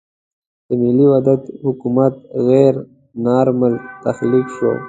د ملي وحدت حکومت غیر نارمل تخلیق شو.